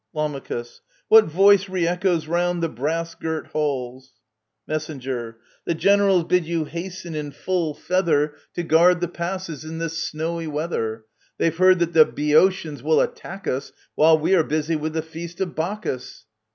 Lam. What voice re echoes round the brass girt halls ? Mess. The generals bid you hasten in full feather 56 The Acharnians of Aristophanes. To guard the passes in this snowy weather. They've heard that the Boeotians will attack us While we are busy with the feast of Bacchus.